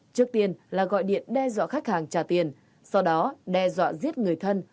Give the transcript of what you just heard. trước tiên là gọi điện đe dọa khách hàng trả tiền sau đó đe dọa giết người thân